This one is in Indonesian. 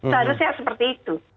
seharusnya seperti itu